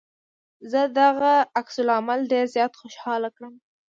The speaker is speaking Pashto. زه دغه عکس العمل ډېر زيات خوشحاله کړم.